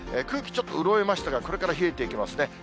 空気、ちょっと潤いましたが、これから冷えていきますね。